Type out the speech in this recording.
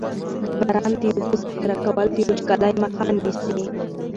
د باران د اوبو ذخیره کول د وچکالۍ مخه نیسي.